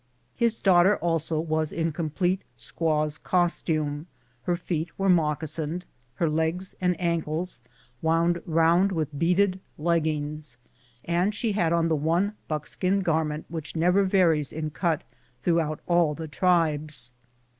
His daughter also was in com plete squaw's costume ; her feet were moccasined, her legs and ankles wound ronnd with beaded leggings, and she had on the one buckskin garment which never varies in cut through all the tribes.